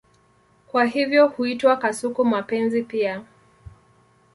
Kwa hivyo huitwa kasuku-mapenzi pia.